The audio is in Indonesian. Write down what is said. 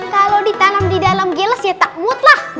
kalau ditanam di dalam gelas ya takut lah